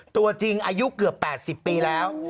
ตัวจริงอายุเกือบ๘๐ปีแล้ว